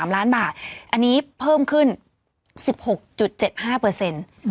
๓ล้านบาทอันนี้เพิ่มขึ้น๑๖๗๕เปอร์เซ็นต์